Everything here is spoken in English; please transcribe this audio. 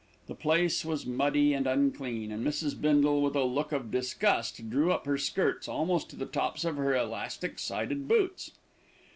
The place was muddy and unclean, and Mrs. Bindle, with a look of disgust, drew up her skirts almost to the tops of her elastic sided boots.